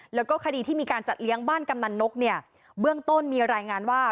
แล้วก็คดีที่มีการจัดเลี้ยงบ้านกำนันนกเนี่ยเบื้องต้นมีรายงานว่า